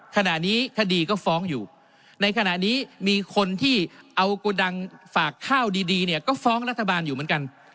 ขณะนี้คดีก็ฟ้องอยู่ในขณะนี้มีคนที่เอากระดังฝากข้าวดีเนี่ยก็ฟ้องรัฐบาลอยู่เหมือนกัน